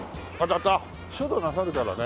あっ書道なさるからね。